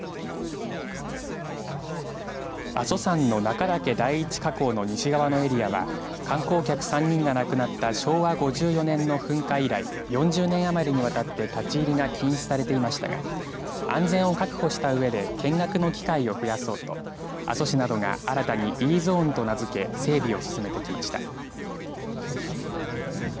阿蘇山の中岳第一火口の西側のエリアは観光客３人が亡くなった昭和５４年の噴火以来４０年余りにわたって立ち入りが禁止されていましたが安全を確保したうえで見学の機会を増やそうと阿蘇市などが新たにＥゾーンと名付け整備を進めてきました。